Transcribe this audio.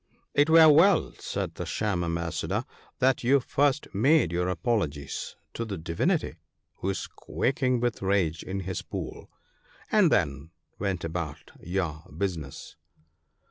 'It were well/ said the sham ambassador, 'that you first made your apologies to the Divinity, who is quaking with rage in his pool, and then went about your business.'